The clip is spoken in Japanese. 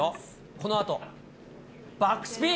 このあとバックスピン。